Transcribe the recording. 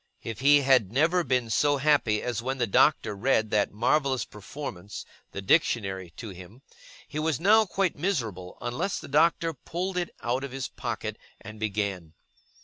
If he had never been so happy as when the Doctor read that marvellous performance, the Dictionary, to him; he was now quite miserable unless the Doctor pulled it out of his pocket, and began.